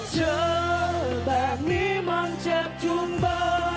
เจอแบบนี้มันเจ็บชุมเบอร์